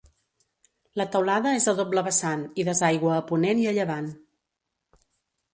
La teulada és a doble vessant i desaigua a ponent i a llevant.